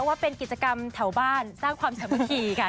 ว่าเป็นกิจกรรมแถวบ้านสร้างความสามัคคีค่ะ